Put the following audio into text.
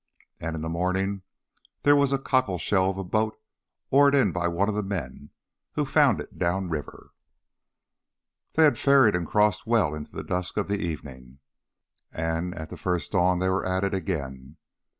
And in the morning there was a cockleshell of a boat oared in by one of the men who had found it downriver. They had ferried and crossed well into the dusk of the evening. And at the first dawn they were at it again.